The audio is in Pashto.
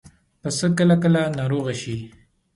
پسه کله ناکله ناروغه شي.